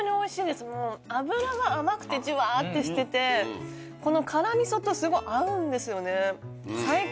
脂が甘くてじゅわってしててこの辛味噌とすごい合うんですよね。